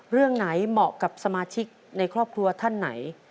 เรื่องไหนเหมาะกับสมาชิกในครอบครัวท่านไหน